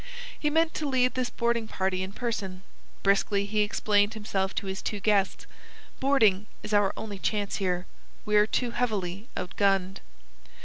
He meant to lead this boarding party in person. Briskly he explained himself to his two guests. "Boarding is our only chance here. We are too heavily outgunned."